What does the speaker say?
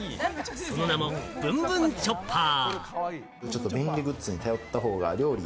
その名も、ぶんぶんチョッパー。